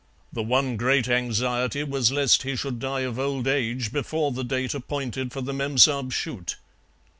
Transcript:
The one great anxiety was lest he should die of old age before the date appointed for the memsahib's shoot.